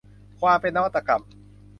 ความเป็นนวัตกรรม